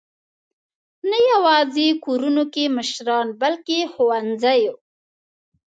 نه یواځې کورونو کې مشران، بلکې ښوونځیو.